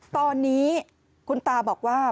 ตอนนี้คุณตาบอกว่า